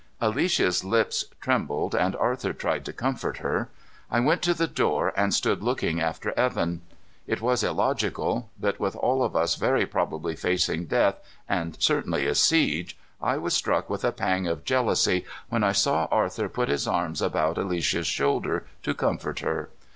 Alicia's lips trembled, and Arthur tried to comfort her. I went to the door and stood looking after Evan. It was illogical, but with all of us very probably facing death, and certainly a siege, I was struck with a pang of jealousy when I saw Arthur put his arms about Alicia's shoulder to comfort her.